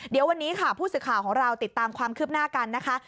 เดี๋ยววันนี้ค่ะผู้สื่อข่าวของเราติดตามความคืบหน้ากันนะคะ